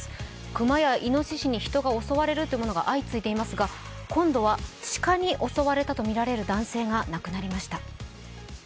熊やいのししに人が襲われることが相次いでいますが、今度は鹿に襲われたとみられる男性が亡くなりました。